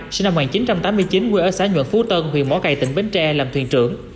xuân thái sinh năm một nghìn chín trăm tám mươi chín quê ở xã nhuận phú tân huyện mó cầy tỉnh bến tre làm thuyền trưởng